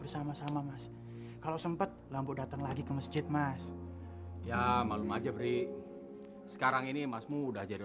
ya allah mas kamu tuh kok ngomongnya kayak gitu sih